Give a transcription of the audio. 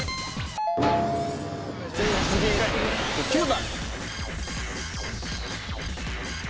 ９番！